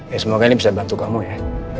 ya semoga ini bisa bantu kamu ya